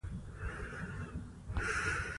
د سبزیجاتو سلاد ډیر سپک خواړه دي.